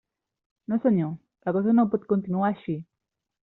No senyor; la cosa no pot continuar així.